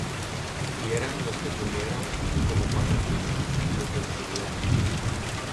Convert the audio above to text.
Y eran los que comieron, como cuatro mil: y los despidió.